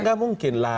nggak mungkin lah